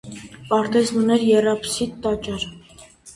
Պարտեզն ուներ եռաբսիդ տաճար։